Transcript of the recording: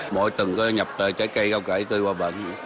mỗi tuần có nhập trái cây rau cải tươi qua bển